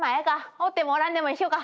おってもおらんでも一緒か。